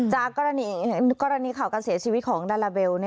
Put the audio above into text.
จากกรณีข่าวการเสียชีวิตของดาราเบล